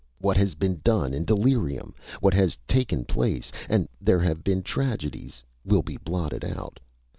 what has been done in delirium! What has taken place and there have been tragedies will be blotted out.